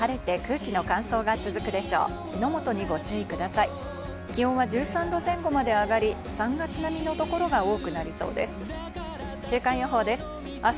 気温は１３度前後まで上がり３月並みの所が多くなりそうです。